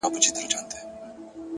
خپل ژوند په ارزښتونو ودروئ.!